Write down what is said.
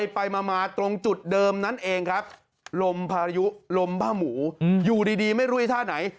ไปมาตรงจุดเดิมนั้นเองครับลมพายุลมผ้าหมูอยู่ดีไม่รู้ไอ้ท่าไหน